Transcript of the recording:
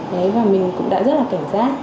thế và mình cũng đã rất là cảnh giác